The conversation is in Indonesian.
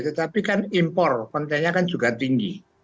tetapi kan impor kontennya kan juga tinggi